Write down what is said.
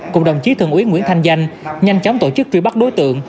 cùng đồng chí thường uyên nguyễn thanh danh nhanh chóng tổ chức truy bắt đối tượng